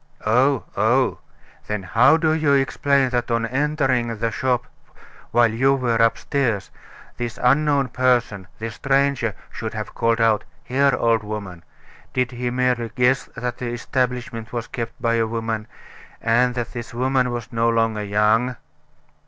"Oh, oh! Then how do you explain that on entering the shop while you were upstairs, this unknown person this stranger should have called out: 'Here, old woman!' Did he merely guess that the establishment was kept by a woman; and that this woman was no longer young?"